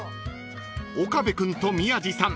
［岡部君と宮治さん